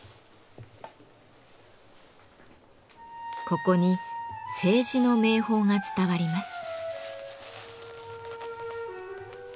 ここに青磁の名宝が伝わります。